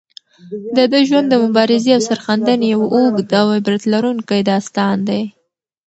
د ده ژوند د مبارزې او سرښندنې یو اوږد او عبرت لرونکی داستان دی.